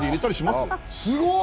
すごい！